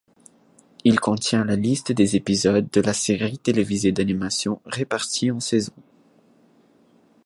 Il contient la liste des épisodes de la série télévisée d'animation répartie en saisons.